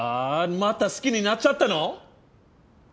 また好きになっちゃったの？